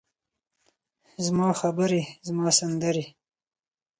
زما خبرې، زما سندرې،